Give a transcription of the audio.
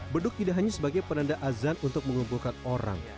beduk tidak hanya sebagai penanda azan untuk mengumpulkan orang